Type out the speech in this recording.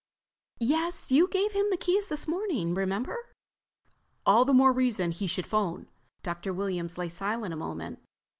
"Yes. You gave him the keys this morning, remember?" "All the more reason he should phone." Dr. Williams lay silent a moment.